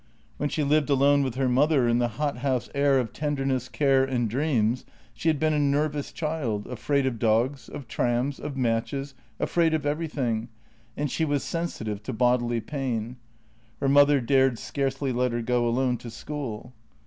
When she lived alone with her mother in the hothouse air of tenderness, care, and dreams, she had been a nervous child, afraid of dogs, of trams, of matches — afraid of everything — and she was sensi tive to bodily pain. Her mother dared scarcely let her go alone to school.